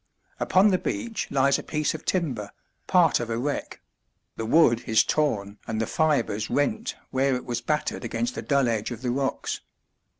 Upon the beach lies a piece of timber, part of a wreck; the wood is torn and the fibres rent where it was battered against the dull edge of the rocks.